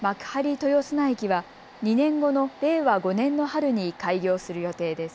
豊砂駅は２年後の令和５年の春に開業する予定です。